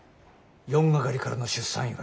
４係からの出産祝。